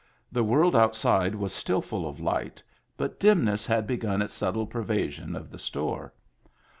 The world outside was still full of light, but dimness had begun its subtle pervasion of the store.